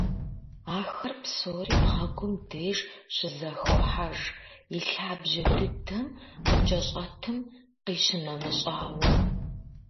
Ахэр псори бгъэгум деж щызэхохьэж, и лъабжьэ дыдэм къыкӏэщӏэтым къищынэмыщӏауэ.